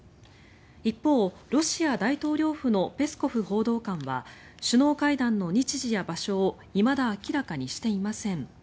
一方、ロシア大統領府のペスコフ報道官は首脳会談の日時や場所をいまだ明らかにしていません。